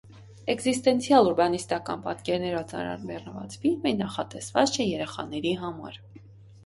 Էքզիստենցիալ ուրբանիստական պատկերներով ծանրաբեռնված ֆիլմը նախատեսված չէ երեխաների համար։